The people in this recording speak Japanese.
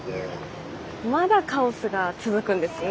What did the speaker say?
まだカオスが続くんですね。